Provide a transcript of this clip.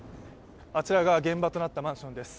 あちらが現場となったマンションです。